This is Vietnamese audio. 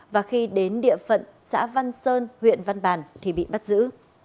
và khi đến địa phận xã văn sơn huyện văn bàn thì bị bắt giữ